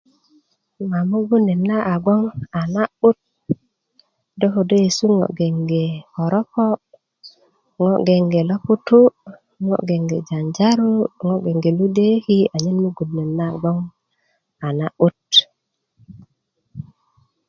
ma mugun net na a gbogboŋ a na'but do kodo yesu ŋo' gbeŋge koropo ŋo gbeŋge loputu' ŋo gbeŋge janjaru ŋo gbeŋge luduöki anyen mugun gboŋ a nabut